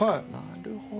なるほど。